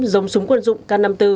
giống súng quân dụng k năm mươi bốn